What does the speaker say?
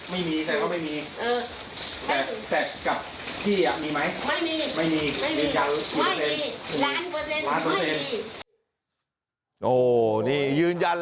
ไม่มีแต่เขาไม่มีเออแต่แสดกับพี่อ่ะมีไหมไม่มี